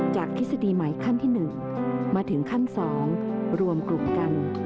ทฤษฎีใหม่ขั้นที่๑มาถึงขั้น๒รวมกลุ่มกัน